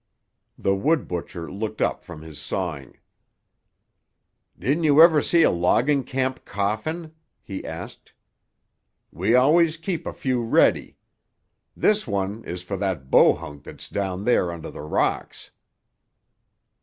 The "wood butcher" looked up from his sawing. "Didn't you ever see a logging camp coffin?" he asked. "We always keep a few ready. This one is for that Bohunk that's down there under the rocks."